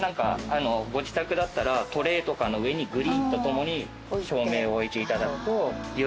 ご自宅だったらトレーとかの上にグリーンと共に照明を置いていただくとより華やかな。